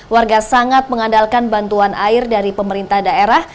warga sangat mengandalkan bantuan air dari pemerintah daerah